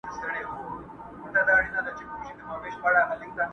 o د توري پرهار به جوړ سي، د ژبي پرهار به جوړ نه سي٫